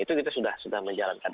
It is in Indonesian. itu kita sudah menjalankan